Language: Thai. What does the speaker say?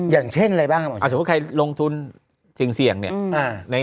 อย่างเช่นอะไรบ้างสมมุติใครลงทุนเสี่ยงเนี่ย